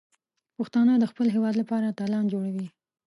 پښتانه د خپل هیواد لپاره اتلان جوړوي.